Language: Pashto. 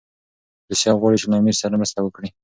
روسیه غواړي چي له امیر سره مرسته وکړي.